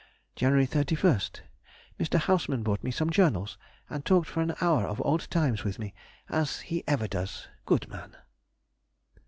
Jan. 31st.—Mr. Hausmann brought me some Journals, and talked for an hour of old times with me, as he ever does, good man!